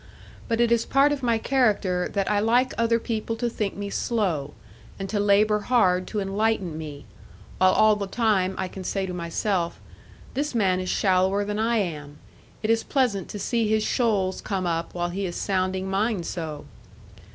But it is part of my character that I like other people to think me slow, and to labour hard to enlighten me, while all the time I can say to myself, 'This man is shallower than I am; it is pleasant to see his shoals come up while he is sounding mine so!'